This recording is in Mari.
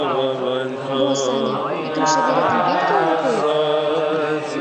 — Мо, Саня, икымше веретым Петькалан пуэт?